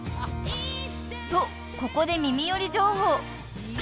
［とここで耳寄り情報］